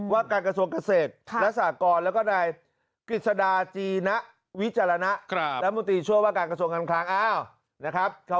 มันจะร้อยเปอร์เซ็นต์ได้ยังไงอ่ะ